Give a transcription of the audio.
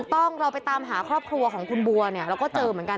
ต้องเราไปตามหาครอบครัวของคุณบัวเนี่ยเราก็เจอเหมือนกัน